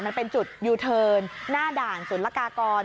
มันเป็นจุดยูเทิร์นหน้าด่านสุรกากร